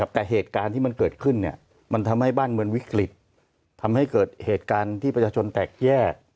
แต่เหตุการณ์ที่มันเกิดขึ้นมันทำให้บ้านเมืองวิกฤตทำให้เกิดเหตุการณ์ที่ประชาชนแตกแยก